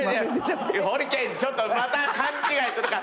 ホリケンまた勘違いするから。